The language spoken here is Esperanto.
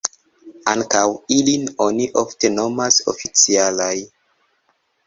Ankaŭ ilin oni ofte nomas oficialaj.